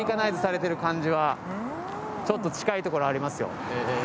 ちょっと近いところありますよ。